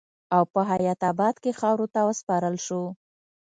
او پۀ حيات اباد کښې خاورو ته وسپارل شو